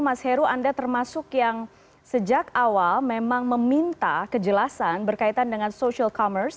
mas heru anda termasuk yang sejak awal memang meminta kejelasan berkaitan dengan social commerce